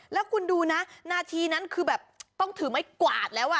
แล้วคุณดูนะนาทีนั้นคือแบบต้องถือไม้กวาดแล้ว